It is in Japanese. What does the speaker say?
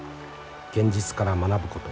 現実から学ぶこと。